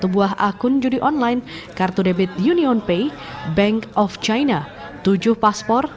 satu buah akun judi online kartu debit union pay bank of china tujuh paspor